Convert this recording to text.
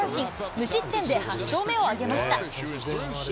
無失点で８勝目を挙げました。